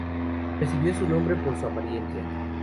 Recibió su nombre por su apariencia.